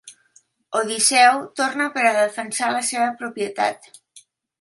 Odisseu torna per a defensar la seva propietat.